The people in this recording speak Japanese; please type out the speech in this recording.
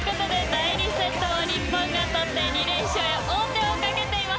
第２セットも日本が取って２連勝へ王手をかけています。